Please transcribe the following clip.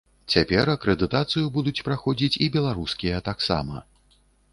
Цяпер акрэдытацыю будуць праходзіць і беларускія таксама.